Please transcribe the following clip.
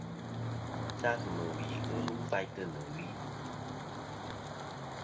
Màtlas mɨ̀ wì ghɨ lum faytɨ nɨ̀ wi.